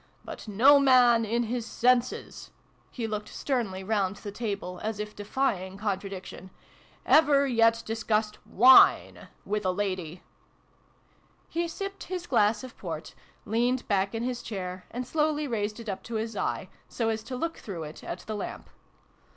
But no man, in his senses " (he looked sternly round the table, as if defying contradiction) " ever yet discussed WINE with a lady !" He sipped his glass of port, leaned back in his chair, and slowly raised it up to his eye, so as to look through it at the lamp.